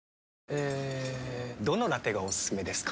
えどのラテがおすすめですか？